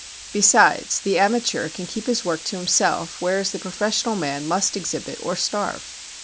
Besides, the amateur can keep his work to himself, whereas the professional man must exhibit or starve.